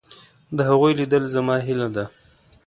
د هغوی لیدل زما هیله ده.